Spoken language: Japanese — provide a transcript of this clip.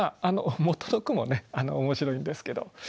元の句もね面白いんですけど。